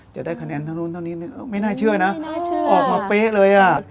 จะได้คะแนนเท่านู้นเท่านี้ไม่น่าเชื่อนะออกมาเป๊ะเลยอ่ะ